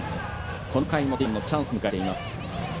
この回も追加点のチャンスを迎えています。